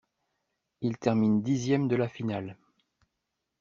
Il termine dixième de la finale.